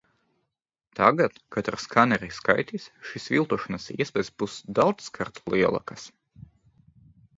Tagad, kad ar skaneri skaitīs, šīs viltošanas iespējas būs daudzkārt lielākas.